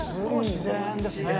自然ですね。